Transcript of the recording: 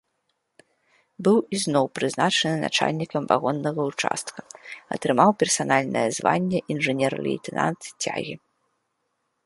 Быў ізноў прызначаны начальнікам вагоннага ўчастка, атрымаў персанальнае званне інжынер-лейтэнант цягі.